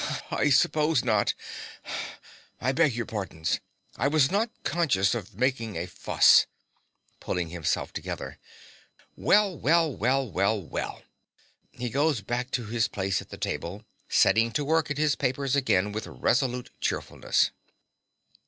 I suppose not. I beg all your pardons: I was not conscious of making a fuss. (Pulling himself together.) Well, well, well, well, well! (He goes back to his place at the table, setting to work at his papers again with resolute cheerfulness.)